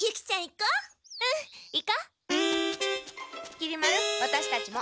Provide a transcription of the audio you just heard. きり丸ワタシたちも。